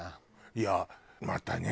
いやまたね